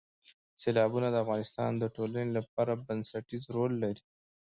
سیلابونه د افغانستان د ټولنې لپاره بنسټيز رول لري.